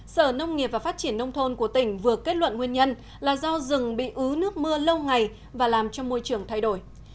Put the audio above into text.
sở nông nghiệp và phát triển nông thôn của tỉnh vừa kết luận nguyên nhân là do rừng bị ứ nước mưa lâu ngày và làm cho môi trường thay đổi